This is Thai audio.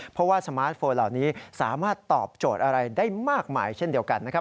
เพราะว่าสมาร์ทโฟนเหล่านี้สามารถตอบโจทย์อะไรได้มากมายเช่นเดียวกันนะครับ